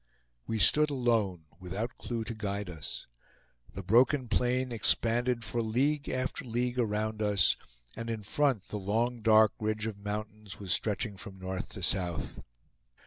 We stood alone without clew to guide us. The broken plain expanded for league after league around us, and in front the long dark ridge of mountains was stretching from north to south.